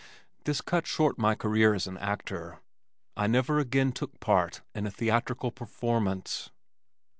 This cut short my career as an actor. I never again took part in a theatrical performance.